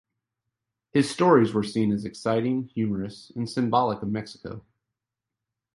His stories were seen as exciting, humorous, and symbolic of Mexico.